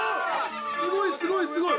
すごいすごいすごい！